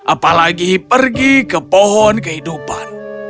apalagi pergi ke pohon kehidupan